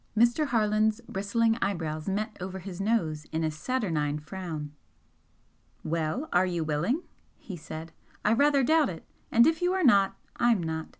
Mr. Harland's bristling eyebrows met over his nose in a saturnine frown. "Well, are you willing?" he said "I rather doubt it! And if you are, I'm not.